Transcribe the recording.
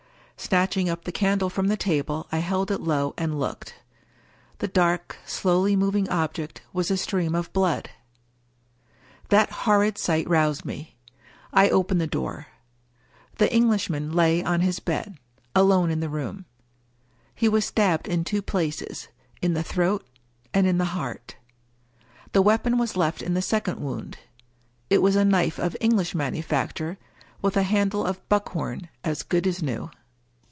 Snatching up the candle from the table, I held it low, and looked. The dark, slowly moving object was a stream of blood ! That horrid sight roused me. I opened the door. The Englishman lay on his bed — ^alone in the room. He was stabbed in two places — ^in the throat and in the heart. The weapon was left in the second wound. It was a knife of English manufacture, with a handle of buckhorn as good as new.